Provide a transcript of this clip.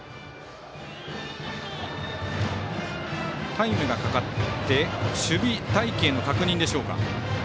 タイムがかかって守備隊形の確認でしょうか。